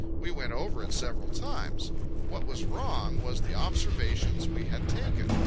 We went over it several times. What was wrong was the observations we had taken.